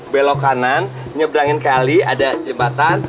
belok kanan nyebrangin kali ada jembatan